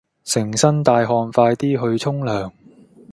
成身大汗快啲去沖涼